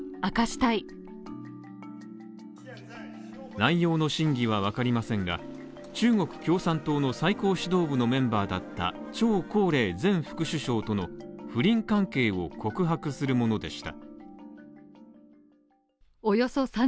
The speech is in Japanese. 内容の真偽はわかりませんが、中国共産党の最高指導部のメンバーだった張高麗前副首相との不倫関係を告白するものでした。